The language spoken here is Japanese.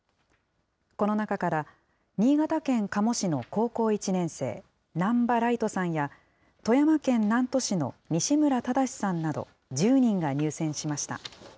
この中から、新潟県加茂市の高校１年生、難波來士さんや、富山県南砺市の西村忠さんなど、１０人が入選しました。